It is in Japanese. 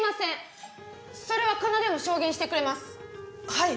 はい。